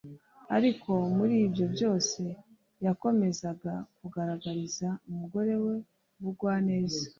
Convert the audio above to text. Ariko muri ibyo byose yakomezaga kugaragariza umugore we ubugwaneza